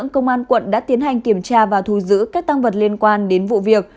công an quận đã tiến hành kiểm tra và thu giữ các tăng vật liên quan đến vụ việc